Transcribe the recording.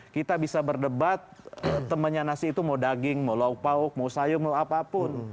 kita bisa berdebat temennya nasi itu mau daging mau lauk pauk mau sayur mau apapun